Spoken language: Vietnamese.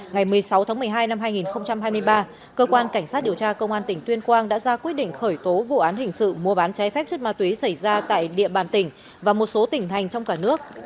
ngày một mươi sáu tháng một mươi hai năm hai nghìn hai mươi ba cơ quan cảnh sát điều tra công an tỉnh tuyên quang đã ra quyết định khởi tố vụ án hình sự mua bán trái phép chất ma túy xảy ra tại địa bàn tỉnh và một số tỉnh thành trong cả nước